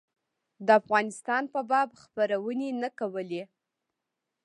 د افغانستان په باب خپرونې نه کولې.